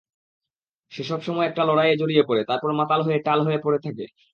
সে সবসময় একটা লড়াইয়ে জড়িয়ে পড়ে, তারপর মাতাল হয়ে টাল হয়ে পড়ে থাকে।